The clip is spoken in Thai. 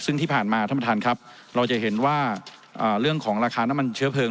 ซึ่งที่ผ่านมาท่านประธานครับเราจะเห็นว่าเรื่องของราคาน้ำมันเชื้อเพลิง